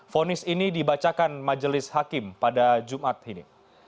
fonis ini dibacakan majelis hakim pada jumat ini